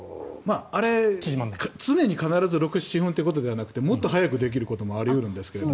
常に必ず６７分ということではなくてもっと早くできることもあり得るんですが。